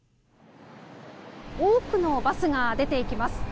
多くのバスが出て行きます。